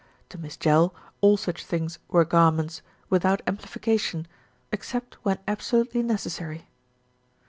To Miss Jell, all such things were garments, without amplification, except when absolutely necessary.